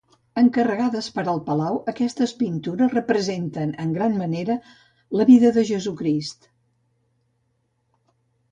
Encarregades per al palau, aquestes pintures representen en gran manera la vida de Jesucrist.